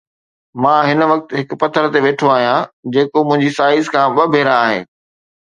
مان هن وقت هڪ پٿر تي ويٺو آهيان جيڪو منهنجي سائيز کان ٻه ڀيرا آهي